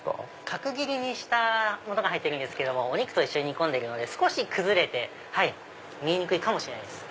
角切りにしたものが入ってるんですけどもお肉と一緒に煮込んでるので少し崩れて見えにくいかもしれないです。